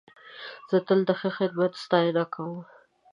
زه تل د ښه خدمت ستاینه کوم.